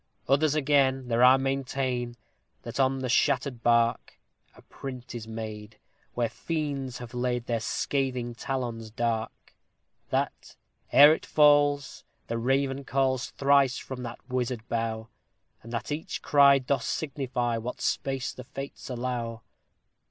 Others, again, there are maintain that on the shattered bark A print is made, where fiends have laid their scathing talons dark; That, ere it falls, the raven calls thrice from that wizard bough; And that each cry doth signify what space the Fates allow.